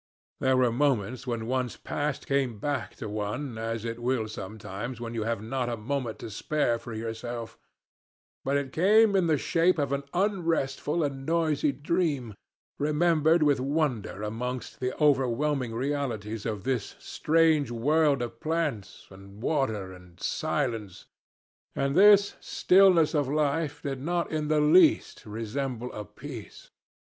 There were moments when one's past came back to one, as it will sometimes when you have not a moment to spare to yourself; but it came in the shape of an unrestful and noisy dream, remembered with wonder amongst the overwhelming realities of this strange world of plants, and water, and silence. And this stillness of life did not in the least resemble a peace.